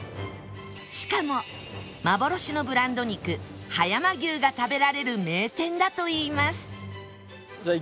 しかも幻のブランド肉葉山牛が食べられる名店だといいます